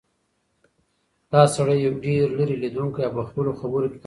دا سړی ډېر لیرې لیدونکی او په خپلو خبرو کې قاطع و.